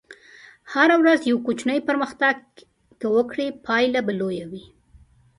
هره ورځ یو کوچنی پرمختګ که وکړې، پایله به لویه وي.